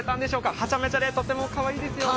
はちゃめちゃでとてもかわいいですね。